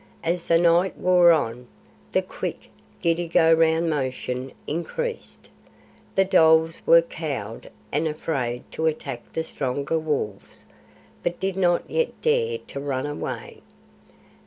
As the night wore on, the quick, giddy go round motion increased. The dholes were cowed and afraid to attack the stronger wolves, but did not yet dare to run away.